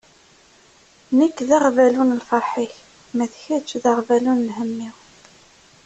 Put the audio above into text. Nekk d aɣbalu n lferḥ-ik, ma d kečč d aɣbalu n lhemm-iw.